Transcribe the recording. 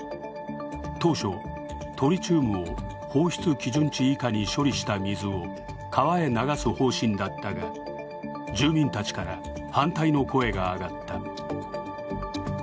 当初、トリチウムを放出基準値以下に処理した水を川へ流す方針だったが、住民たちから反対の声が上がった。